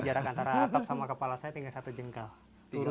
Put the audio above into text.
jarak antara atap sama kepala saya tinggal satu jengkal